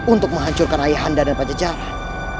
untuk menghancurkan aihanda dan pajajaran